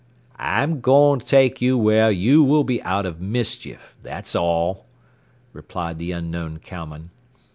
"I'm going to take you where you will be out of mischief, that's all," replied the unknown cowman.